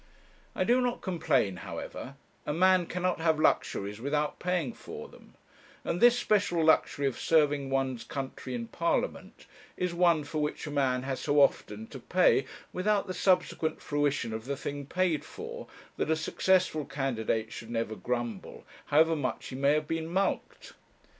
I do not complain, however; a man cannot have luxuries without paying for them; and this special luxury of serving one's country in Parliament is one for which a man has so often to pay, without the subsequent fruition of the thing paid for, that a successful candidate should never grumble, however much he may have been mulcted.